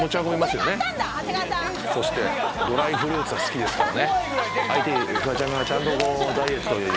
ドライフルーツが好きですからね。